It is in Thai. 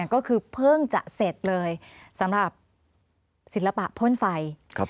ก็คือเพิ่งจะเสร็จเลยสำหรับศิลปะพ่นไฟ